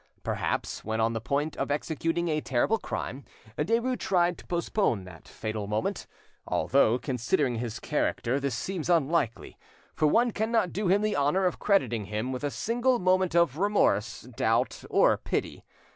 Perhaps, when on the point of executing a terrible crime, Derues tried to postpone the fatal moment, although, considering his character, this seems unlikely, for one cannot do him the honour of crediting him with a single moment of remorse, doubt, or pity.